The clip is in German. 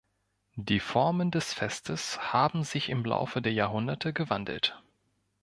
Die Formen des Festes haben sich im Laufe der Jahrhunderte gewandelt.